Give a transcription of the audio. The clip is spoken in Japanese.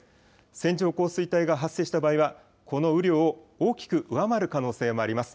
線状降水帯が発生した場合は、この雨量を大きく上回る可能性もあります。